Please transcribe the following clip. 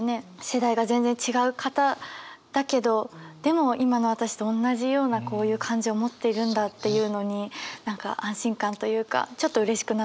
世代が全然違う方だけどでも今の私とおんなじようなこういう感情を持っているんだっていうのに何か安心感というかちょっとうれしくなったりもしました。